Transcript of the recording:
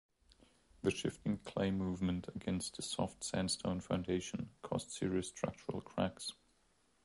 The shifting clay movement against the soft sandstone foundation caused serious structural cracks.